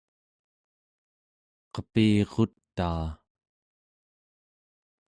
qepirutaa